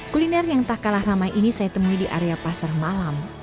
kuliner yang tak kalah ramai ini saya temui di area pasar malam